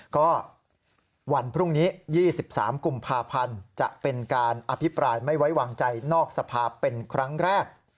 ก็วันพรุ่งนี้๒๓กุมภาพันธ์จะเป็นการอภิปรายไม่ไว้วางใจนอกสภาเป็นครั้งแรก